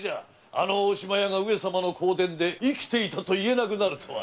あの大島屋が上様の香典で生きていたと言えなくなるとは。